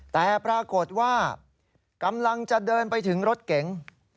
แต่ปรากฏว่ากำลังจะเดินไปถึงรถเก๋ง